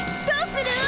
どうする！？